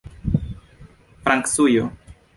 francujo